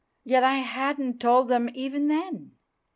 Yet I hadn't told them even then!